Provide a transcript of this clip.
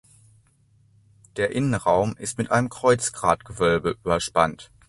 Der Innenraum ist mit einem Kreuzgratgewölbe überspannt.